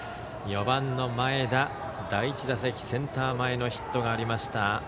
４番の前田、第１打席センター前のヒットがありました。